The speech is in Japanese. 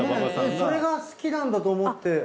それが好きなんだと思って。